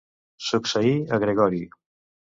Succeí a Gregori.